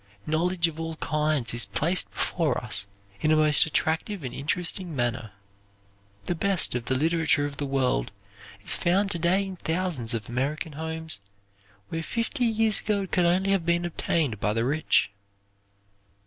Knowledge of all kinds is placed before us in a most attractive and interesting manner. The best of the literature of the world is found to day in thousands of American homes where fifty years ago it could only have been obtained by the rich.